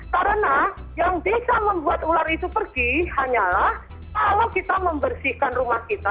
karena yang bisa membuat ular itu pergi hanyalah kalau kita membersihkan rumah kita